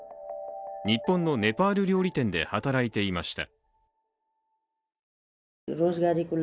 日本のネパール料理店で働いていました。